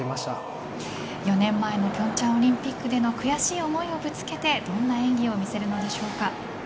４年前の平昌オリンピックでの悔しい思いをぶつけてどんな演技を見せるんでしょうか。